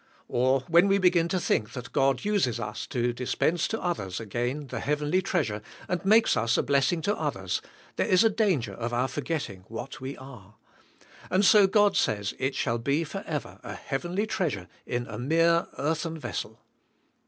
Or when we begin to think that God uses us todispense to others again the heavenly treasure, and makes us a bless ing to others, there is danger of our forgetting what we are; and so God says it shall be forever a heavenly treasure in a mere earthen vessel.